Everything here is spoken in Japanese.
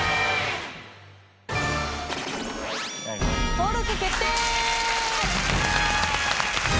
登録決定！